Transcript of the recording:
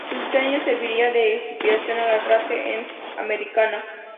Su diseño serviría de inspiración a la clase Essex americana.